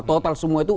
total semua itu